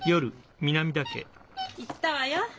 行ったわよ。